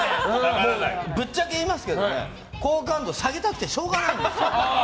ぶっちゃけ言いますけどね好感度下げたくてしょうがないんですよ。